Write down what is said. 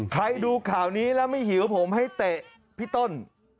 ใครดูข่าวนี้แล้วไม่หิวผมให้เตะพี่ต้น